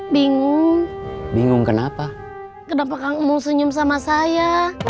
bingung bingung kenapa kenapa kamu senyum sama saya